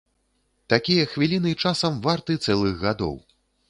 Такія хвіліны часам варты цэлых гадоў.